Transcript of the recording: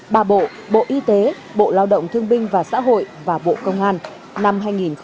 ba bộ bộ y tế bộ lao động thương binh và xã hội và bộ công an năm hai nghìn hai mươi ba